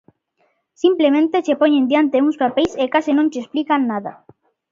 Simplemente che poñen diante uns papeis e case non che explican nada.